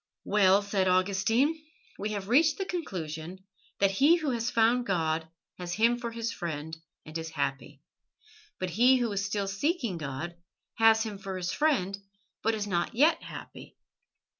"Well," said Augustine, "we have reached the conclusion that he who has found God has Him for his friend and is happy; but he who is still seeking God has Him for his friend but is not yet happy.